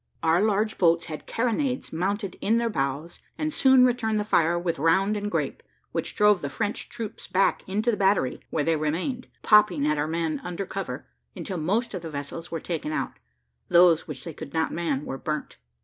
Our large boats had carronades mounted in their bows, and soon returned the fire with round and grape, which drove the French troops back into the battery, where they remained, popping at our men under cover, until most of the vessels were taken out: those which they could not man were burnt.